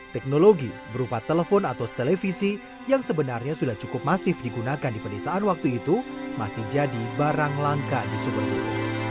teknologi berupa telepon atau televisi yang sebenarnya sudah cukup masif digunakan di pedesaan waktu itu masih jadi barang langka di sumenggung